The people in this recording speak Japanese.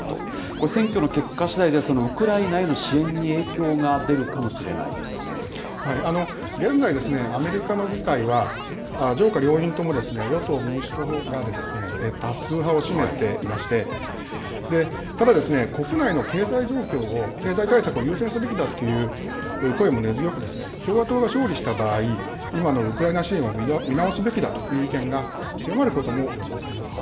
これ、選挙の結果しだいではそのウクライナへの支援に影響が出る現在、アメリカの議会は、上下両院とも、与党・民主党が多数派を占めていまして、ただ、国内の経済状況を、経済対策を優先すべきだという声も根強く、共和党が勝利した場合、今のウクライナ支援を見直すべきだという意見が強まることも予想されます。